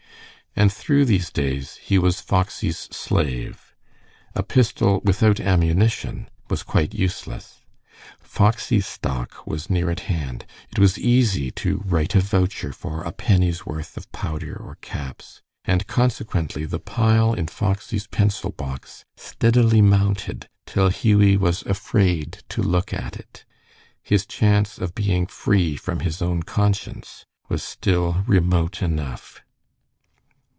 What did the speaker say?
And through these days he was Foxy's slave. A pistol without ammunition was quite useless. Foxy's stock was near at hand. It was easy to write a voucher for a penny's worth of powder or caps, and consequently the pile in Foxy's pencil box steadily mounted till Hughie was afraid to look at it. His chance of being free from his own conscience was still remote enough.